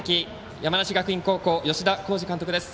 山梨学院高校、吉田洸二監督です。